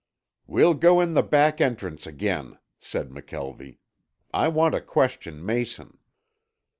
"We'll go in the back entrance again," said McKelvie. "I want to question Mason."